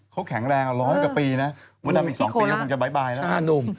เขาแข็งแรงล้อยกว่าปีนะวันนั้นอีก๒ปีก็มันจะบ๊ายบายแล้ว